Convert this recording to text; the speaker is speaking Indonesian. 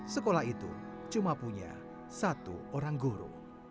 sekolah itu cuma punya satu orang guru